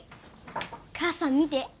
母さん見て。